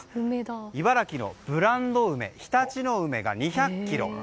茨城のブランド梅、常陸乃梅が２００ｋｇ。